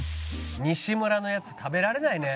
西村のやつ食べられないね。